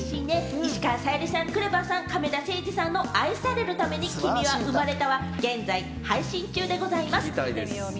石川さゆりさん、ＫＲＥＶＡさん、亀田誠治さんの『愛されるために君は生まれた』は現在配信中です。